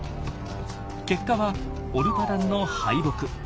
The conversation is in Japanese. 結果はオルパダンの敗北。